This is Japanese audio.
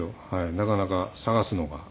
なかなか探すのが大変で。